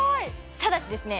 ただしですね